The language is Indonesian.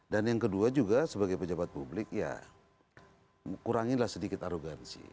yang kedua juga sebagai pejabat publik ya kuranginlah sedikit arogansi